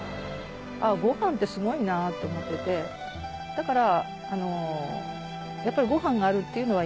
だから。